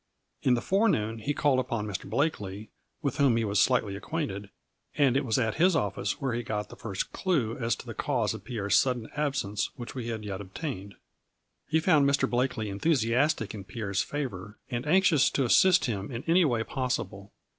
In the forenoon he called upon Mr. Blakely, with whom he was slightly acquainted, and it was at his office where he got the first clue as to the cause of Pierre's sudden absence which we had yet obtained. A NLVBBY IN DIAMONDS. 181 He found Mr. Blakely enthusiastic in Pierre's favor, and anxious to assist him in any way possible.